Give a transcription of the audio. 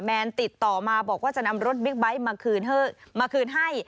แนนติดต่อมาบอกว่าจะนำรถบิ๊กไบท์มาคืนมาคืนให้